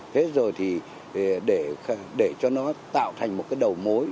thế rồi để cho nó tạo thành một đầu mối